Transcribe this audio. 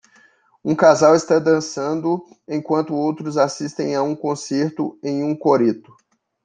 Um casal está dançando enquanto outros assistem a um concerto em um coreto.